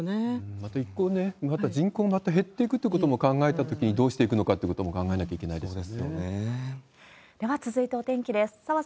あと一方ね、また人口が減っていくってことも考えたときに、どうしていくのかということも考えなきゃいけないですよね。